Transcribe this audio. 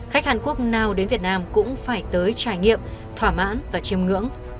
khách hàn quốc nào đến việt nam cũng phải tới trải nghiệm thỏa mãn và chiêm ngưỡng